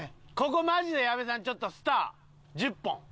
ここマジで矢部さんちょっとスター。